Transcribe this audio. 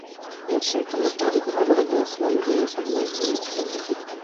Washington open জিতে দুবারের grand স্লামজয়ী সভেৎলানা কুজনেতসোভা ঘুচিয়েছেন চার বছরের শিরোপা-বন্ধ্যাত্ব।